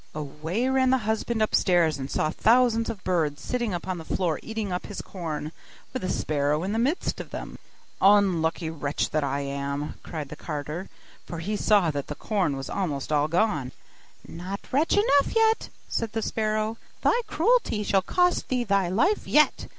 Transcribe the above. Away ran the husband upstairs, and saw thousands of birds sitting upon the floor eating up his corn, with the sparrow in the midst of them. 'Unlucky wretch that I am!' cried the carter; for he saw that the corn was almost all gone. 'Not wretch enough yet!' said the sparrow; 'thy cruelty shall cost thee thy life yet!